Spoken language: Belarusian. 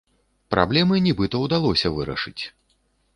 Праблемы, нібыта, удалося вырашыць.